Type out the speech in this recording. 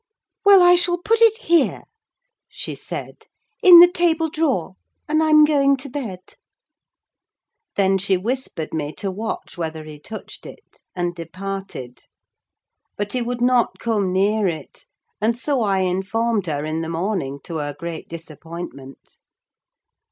"Well, I shall put it here," she said, "in the table drawer; and I'm going to bed." Then she whispered me to watch whether he touched it, and departed. But he would not come near it; and so I informed her in the morning, to her great disappointment.